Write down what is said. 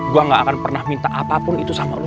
gue gak akan pernah minta apapun itu sama lo